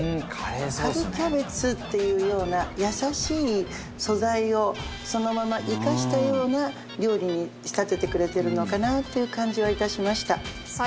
春キャベツっていうような優しい素材をそのまま生かしたような料理に仕立ててくれてるのかなという感じはいたしました。